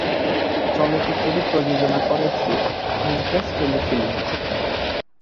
চলচ্চিত্রটি প্রযোজনা করেছে ইমপ্রেস টেলিফিল্ম।